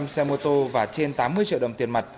hai mươi năm xe mô tô và trên tám mươi triệu đồng tiền mặt